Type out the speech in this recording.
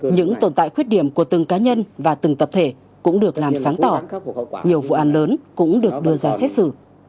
những tồn tại khuyết điểm của từng cá nhân và từng tập thể cũng được làm sáng tỏ nhiều vụ an lớn cũng được đưa ra xét xử